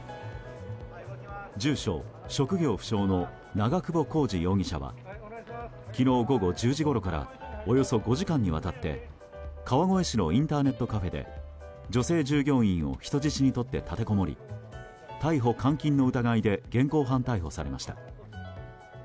住所・職業不詳の長久保浩二容疑者は昨日午後１０時ごろからおよそ５時間にわたって川越市のインターネットカフェで女性従業員を人質にとって立てこもり逮捕監禁の疑いで現行犯逮捕されました。